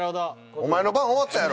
お前の番終わったやろ！